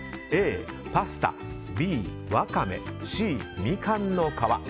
Ａ、パスタＢ、ワカメＣ、みかんの皮。